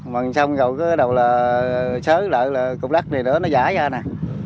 mằng xong gầu xới lại cục đất này nữa nó giả ra nè